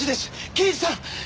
刑事さん！